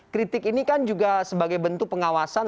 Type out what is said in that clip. kritik ini kan juga sebagai bentuk pengawasan